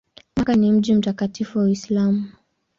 Makka ni mji mtakatifu wa Uislamu.